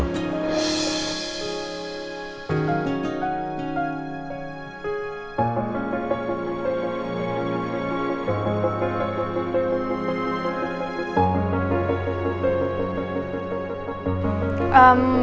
buat nutup biaya kuliah lo